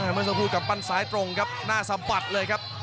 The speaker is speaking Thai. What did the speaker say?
เมื่อสมบูรณ์กลับปั้นสายตรงครับหน้าสัมปัติเลยครับ